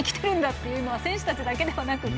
というのは選手たちだけではなく。